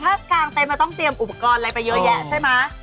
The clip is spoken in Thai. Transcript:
ถ้ากางเต็นมันต้องเตรียมอุปกรณ์อะไรไปเยอะแยะใช่ไหม